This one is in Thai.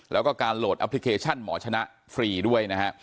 แล้วก็การโหลดแอปพลิเคชันหมอชนะฟรีด้วยนะฮะ